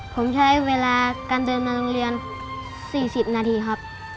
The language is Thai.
ผมใช้เวลาการเดินมาโรงเรียน๔๐นาทีครับ